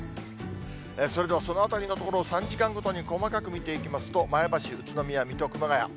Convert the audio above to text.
それではそのあたりのところを、３時間ごとに細かく見ていきますと、前橋、宇都宮、水戸、熊谷。